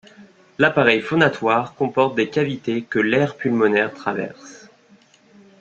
L'appareil phonatoire comporte des cavités que l'air pulmonaire traverse.